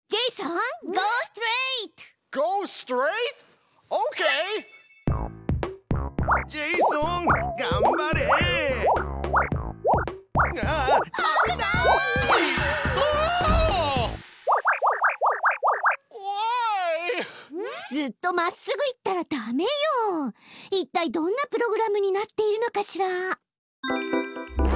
一体どんなプログラムになっているのかしら？